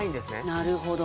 なるほど。